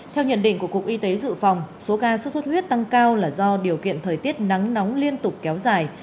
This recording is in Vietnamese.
theo nhận định của cục y tế dự phòng số ca xuất xuất huyết tăng cao là do điều kiện thời tiết nắng nóng liên tục kéo dài